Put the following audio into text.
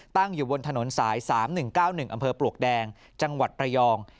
ตั้งอยู่บนถนนสาย๓๑๙๑อำเภอปลวกแดงจังหวัดระยอง